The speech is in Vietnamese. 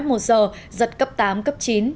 một giờ giật cấp tám cấp chín